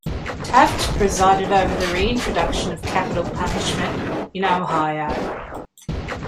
Taft presided over the reintroduction of capital punishment in Ohio.